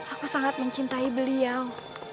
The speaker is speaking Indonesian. aku sangat mencintai beliau